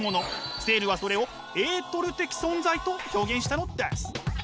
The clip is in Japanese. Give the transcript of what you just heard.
セールはそれをエートル的存在と表現したのです。